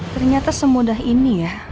ternyata semudah ini ya